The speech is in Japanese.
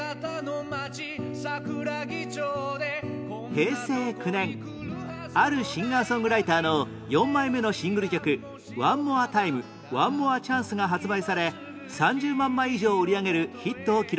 平成９年あるシンガー・ソングライターの４枚目のシングル曲『Ｏｎｅｍｏｒｅｔｉｍｅ，Ｏｎｅｍｏｒｅｃｈａｎｃｅ』が発売され３０万枚以上を売り上げるヒットを記録